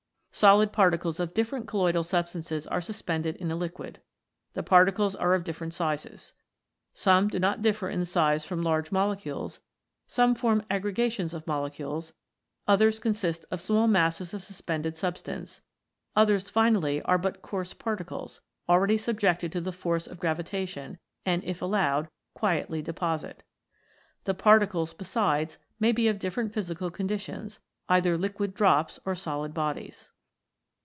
Solid particles of different colloidal substances are suspended in a liquid. The particles are of different sizes. Some do not differ in size from 26 COLLOIDS IN PROTOPLASM large molecules, some form aggregations of mole cules, others consist of small masses of the sus pended substance, others finally are but coarse particles, already subjected to the force of gravi tation, and, if allowed, quietly deposit. The particles, besides, may be of different physical conditions, either liquid drops or solid bodies.